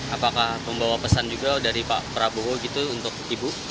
apakah membawa pesan juga dari pak prabowo gitu untuk ibu